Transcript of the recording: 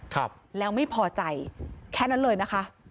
ครับแล้วไม่พอใจแค่นั้นเลยนะคะ